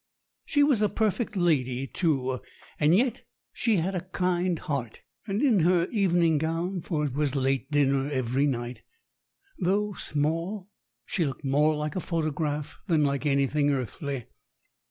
She was a perfect lady, too, and yet she had a kind heart. And in her evening gown for it was late dinner every night, though small she looked more like a photograph than like anything earthly.